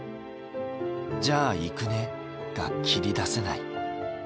「じゃあ行くね」が切り出せない。